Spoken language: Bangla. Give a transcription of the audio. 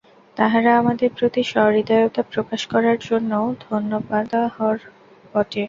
তাহারা আমাদের প্রতি সহৃদয়তা প্রকাশ করার জন্য ধন্যবাদার্হও বটে।